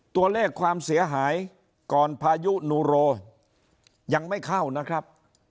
ตัวเลขความเสียหายก่อนพายุนูโรยังไม่เข้านะครับ